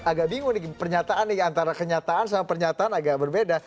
ini kan publiknya ya oke lah agak bingung nih pernyataan ini antara kenyataan sama pernyataan agak berbeda